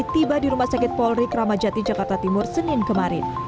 tiba di rumah sakit polri kramajati jakarta timur senin kemarin